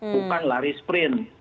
bukan lari sprint